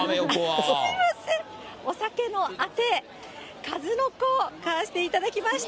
すみません、それではお酒のあて、カズノコ、買わせていただきました。